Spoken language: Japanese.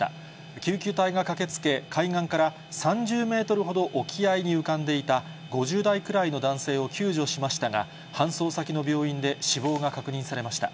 救急隊が駆けつけ、海岸から３０メートルほど沖合に浮かんでいた５０代くらいの男性を救助しましたが、搬送先の病院で死亡が確認されました。